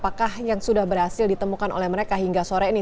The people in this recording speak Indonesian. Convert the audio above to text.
apakah yang sudah berhasil ditemukan oleh mereka hingga sore ini